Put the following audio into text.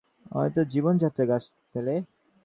বাগানের পশ্চিম ধারে প্রাচীণ মহানিম গাছ।